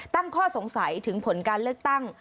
ตั้งข้อสงสัยถึงผลการเลือกตั้ง